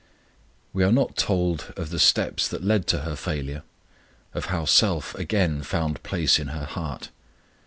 We are not told of the steps that led to her failure; of how self again found place in her heart.